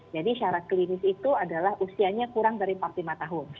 jadi syarat klinis itu adalah usianya kurang dari empat puluh lima tahun